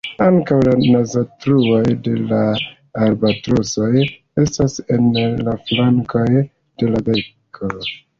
Ankaŭ la naztruoj de la albatrosoj estas en la flankoj de la beko.